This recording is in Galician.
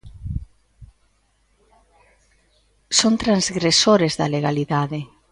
Son transgresores da legalidade.